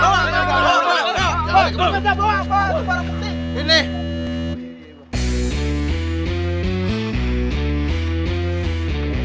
tidak perlu main hakim sendiri bang